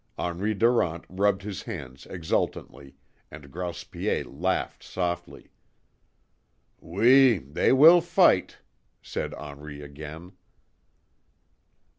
Henri Durant rubbed his hands exultantly, and Grouse Piet laughed softly. "Oui; they will FIGHT!" said Henri again.